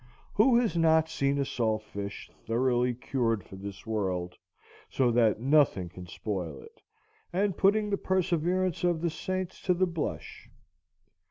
Who has not seen a salt fish, thoroughly cured for this world, so that nothing can spoil it, and putting the perseverance of the saints to the blush?